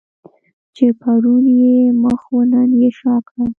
چې پرون یې مخ وو نن یې شا کړه.